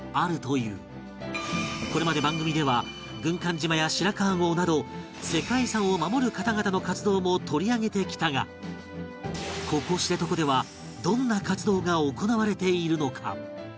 これまで番組では軍艦島や白川郷など世界遺産を守る方々の活動も取り上げてきたがここ知床ではどんな活動が行われているのか？